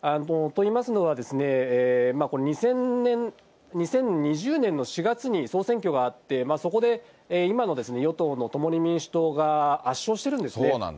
といいますのは、２０２０年の４月に総選挙があって、そこで今の与党の共に民主党が、圧勝してるんですね。